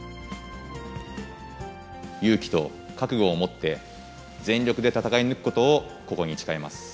勇気と覚悟を持って、全力で戦い抜くことをここに誓います。